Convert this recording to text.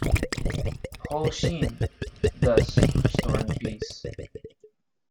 Houshin, thus restoring peace.